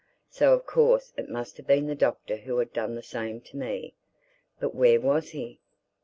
So of course it must have been the Doctor who had done the same to me. But where was he?